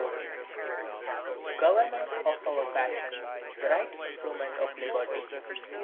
Government of our Passions the right Improvement of Liberty.